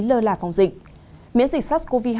lơ là phòng dịch miễn dịch sars cov hai